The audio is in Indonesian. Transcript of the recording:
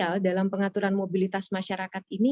sedangkan di dalam pengadilan mobilitas masyarakat ini